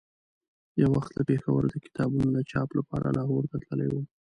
یو وخت له پېښوره د کتابونو د چاپ لپاره لاهور ته تللی وم.